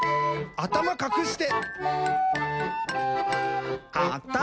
「あたまかくして！」